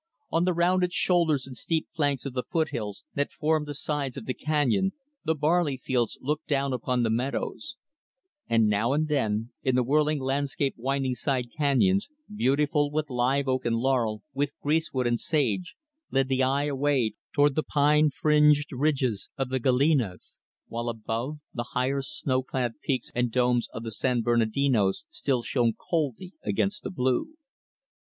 On the rounded shoulders and steep flanks of the foothills that form the sides of the canyon, the barley fields looked down upon the meadows; and, now and then, in the whirling landscape winding side canyons beautiful with live oak and laurel, with greasewood and sage led the eye away toward the pine fringed ridges of the Galenas while above, the higher snow clad peaks and domes of the San Bernardinos still shone coldly against the blue.